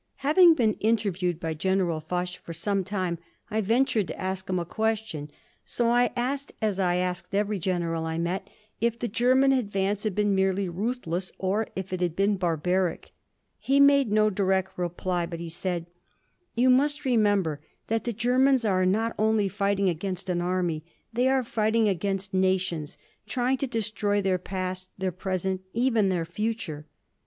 Having been interviewed by General Foch for some time, I ventured to ask him a question. So I asked, as I asked every general I met, if the German advance had been merely ruthless or if it had been barbaric. He made no direct reply, but he said: "You must remember that the Germans are not only fighting against an army, they are fighting against nations; trying to destroy their past, their present, even their future."